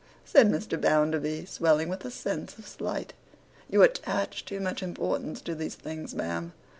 said Mr. Bounderby, swelling with a sense of slight. 'You attach too much importance to these things, ma'am.